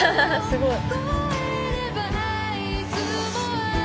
すごい。